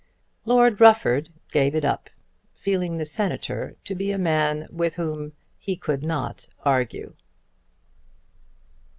Lord Rufford gave it up, feeling the Senator to be a man with whom he could not argue.